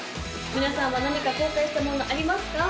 皆さんは何か後悔したものありますか？